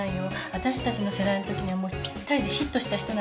私たちの世代のときにはもうぴったりでヒットした人なんだからね。